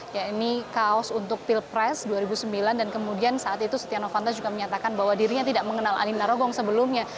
yaitu kaos untuk pilpres dua ribu sembilan dan kemudian saat itu setia novanto juga menyatakan bahwa dirinya tidak mengenal andi narogong sebelumnya